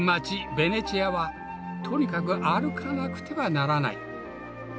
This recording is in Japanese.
ベネチアはとにかく歩かなくてはならない。